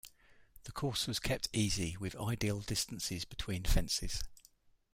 The course was kept easy, with ideal distances between fences.